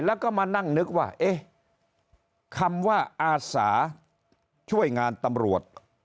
แล้วก็มานั่งนึกว่าเอ๊ะคำว่าอาสาช่วยงานตำรวจ